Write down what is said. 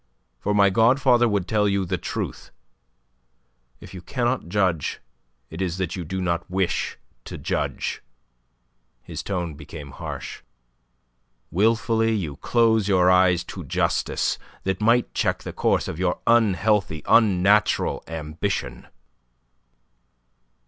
For my godfather would tell you the truth. If you cannot judge, it is that you do not wish to judge." His tone became harsh. "Wilfully you close your eyes to justice that might check the course of your unhealthy, unnatural ambition."